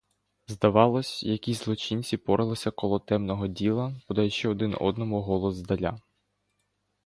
Здавалось, якісь злочинці поралися коло темного діла, подаючи один одному голос здаля.